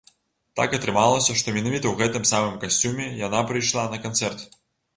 Так атрымалася, што менавіта ў гэтым самым касцюме яна прыйшла на канцэрт.